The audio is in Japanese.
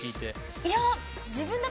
いや。